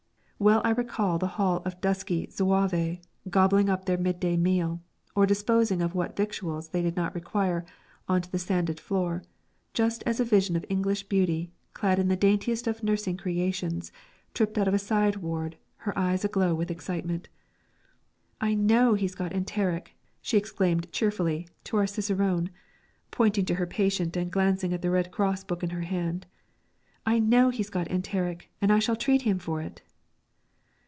Well I recall the hall of dusky Zouaves gobbling up their midday meal, or disposing of what victuals they did not require on to the sanded floor, just as a vision of English beauty, clad in the daintiest of nursing creations, tripped out of a side ward, her eyes aglow with excitement. "I know he's got enteric," she exclaimed cheerfully to our cicerone, pointing to her patient and glancing at the Red Cross book in her hand. "I know he's got enteric, and I shall treat him for it."